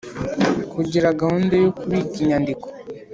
Kugira gahunda yo kubika inyandiko